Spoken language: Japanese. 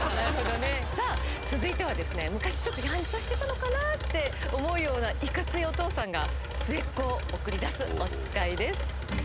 さぁ続いては昔やんちゃしてたのかな？って思うようないかついお父さんが末っ子を送り出すおつかいです。